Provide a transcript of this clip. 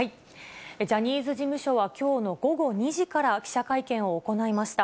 ジャニーズ事務所は、きょうの午後２時から記者会見を行いました。